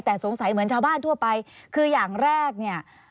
แต่สงสัยเหมือนชาวบ้านทั่วไปคืออย่างแรกเนี่ย